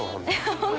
本当⁉